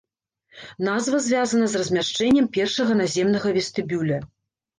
Назва звязана з размяшчэннем першага наземнага вестыбюля.